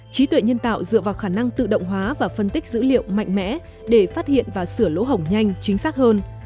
trí tuệ nhân tạo dựa vào khả năng tự động hóa và phân tích dữ liệu mạnh mẽ để phát hiện và sửa lỗ hỏng nhanh chính xác hơn